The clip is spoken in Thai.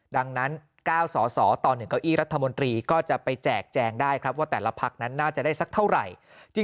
ดังนั้น๙สอสอต่อ๑เก้าอี้รัฐมนตรีก็จะไปแจกแจงได้ครับว่าแต่ละพักนั้นน่าจะได้สักเท่าไหร่